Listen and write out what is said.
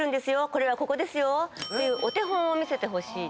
これはここですよっていうお手本を見せてほしい。